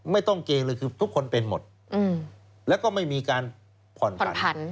ไม่ต้องเกณฑ์เลยคือทุกคนเป็นหมดแล้วก็ไม่มีการผ่อนผัน